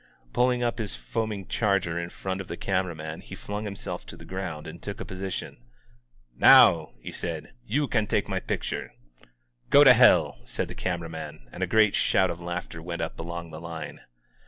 Palfiiig up his foaming diarger in f rmit of the ca m er a nuuu he ftmir himself to the gioun d and todL a position* *^€m^ he said, ^oo can take mj pictoref *^Go to heD," said the camera man, and a great shoot of lan^ter went op along the line.